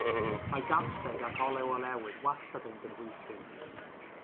Mae garlleg ac olew olewydd wastad yn gynhwysyn.